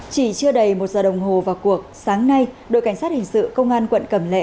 chỉ chưa đầy một giờ đồng hồ vào cuộc sáng nay đội cảnh sát hình sự công an quận cẩm lệ